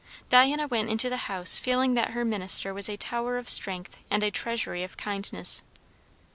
Diana went into the house feeling that her minister was a tower of strength and a treasury of kindness.